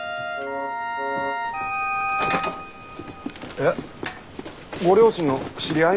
えっご両親の知り合い？